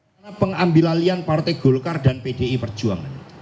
karena pengambil alian partai golkar dan pdi perjuangan